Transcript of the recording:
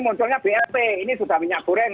munculnya blt ini sudah minyak goreng